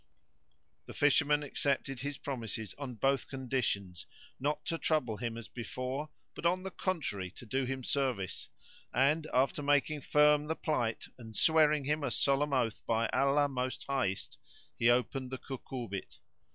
The Fisherman accepted his promises on both conditions, not to trouble him as before, but on the contrary to do him service; and, after making firm the plight and swearing him a solemn oath by Allah Most Highest he opened the cucurbit.